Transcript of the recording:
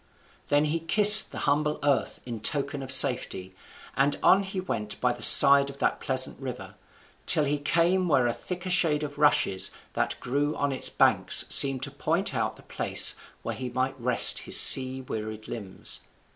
Then he kissed the humble earth in token of safety, and on he went by the side of that pleasant river, till he came where a thicker shade of rushes that grew on its banks seemed to point out the place where he might rest his sea wearied limbs.